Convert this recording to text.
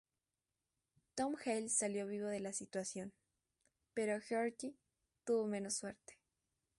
Tom Hales salió vivo de la situación, pero Harte tuvo menos suerte.